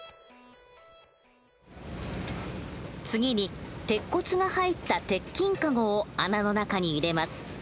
次に鉄骨が入った鉄筋かごを穴の中に入れます。